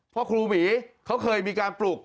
เพราะครูหมีเขาเคยมีการปลุก